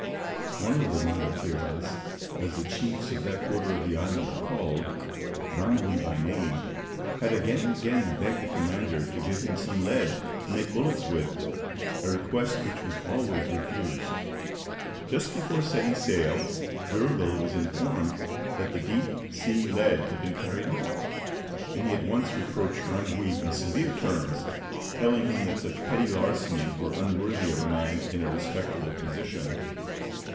One of the "Rangatiras," as the chiefs of that quarter of the island are called, Rangui by name, had again and again begged the commander to give him some lead to make bullets with; a request which was always refused. Just before setting sail, D'Urville was informed that the deep sea lead had been carried off; and he at once reproached Rangui in severe terms, telling him that such petty larcenies were unworthy of a man in a respectable position.